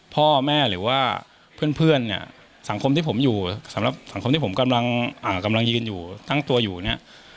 พ่อแม่หรือว่าเพื่อนเนี่ยสังคมที่ผมอยู่สำหรับสังคมที่ผมกำลังยืนอยู่ตั้งตัวอยู่เนี่ย